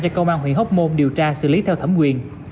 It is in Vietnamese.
cho công an huyện hóc môn điều tra xử lý theo thẩm quyền